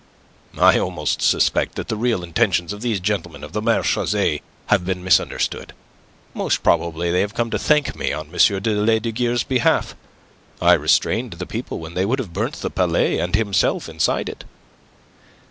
"I almost suspect that the real intentions of these gentlemen of the marechaussee have been misunderstood. Most probably they have come to thank me on M. de Lesdiguieres' behalf. I restrained the people when they would have burnt the Palais and himself inside it."